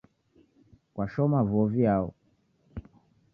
Kwashoma vuo viao?